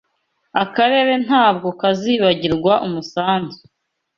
Akarere ntabwo kazibagirwa umusanzu